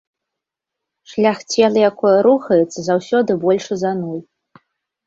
Шлях цела, якое рухаецца, заўсёды большы за нуль.